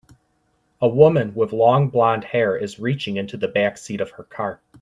A woman with long blondhair is reaching into the backseat of her car